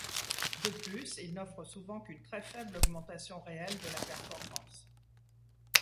De plus, ils n'offrent souvent qu'une très faible augmentation réelle de la performance.